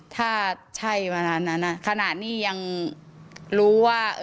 ถ้าใช่คณะนี้ยังรู้ว่า